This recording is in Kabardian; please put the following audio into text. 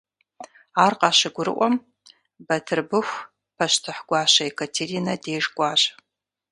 Ар къащыгурыӀуэм, Бытырбыху пащтыхь гуащэ Екатеринэ деж кӀуащ.